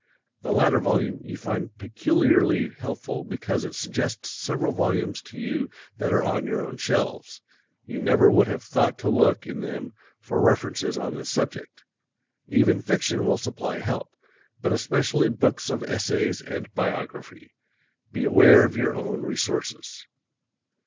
The latter volume you find peculiarly helpful because it suggests several volumes to you that are on your own shelves you never would have thought to look in them for references on this subject. Even fiction will supply help, but especially books of essays and biography. Be aware of your own resources.